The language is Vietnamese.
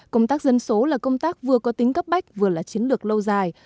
công tác dân số là công tác vừa có tính cấp bách vừa là chiến lược lâu dài